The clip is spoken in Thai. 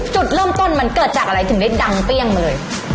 จุดเริ่มต้นมันเกิดจากอะไรถึงได้ดังเปรี้ยงมาเลย